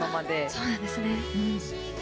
そうなんですね。